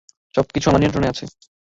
সবকিছু আমার নিয়ন্ত্রণে আছে।